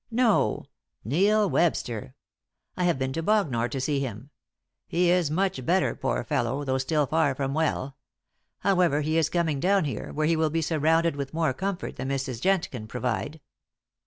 "No; Neil Webster. I have been to Bognor to see him. He is much better, poor fellow, though still far from well. However, he is coming down here, where he will be surrounded with more comfort than Mrs. Jent can provide.